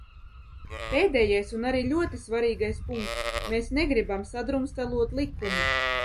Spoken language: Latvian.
Pēdējais un arī ļoti svarīgais punkts: mēs negribam sadrumstalot likumu.